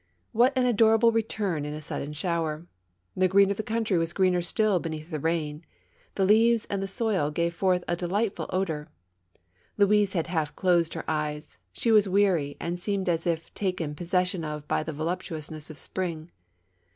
And what an adorable return in a sudden shower 1 The green of the country was greener still beneath the rain; the leaves and the soil gave forth a delightful odor. Louise had half closed her eyes; she was weary and seemed as if taken possession of by the voluptuous ness of spring.